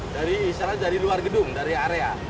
dari luar gedung dari area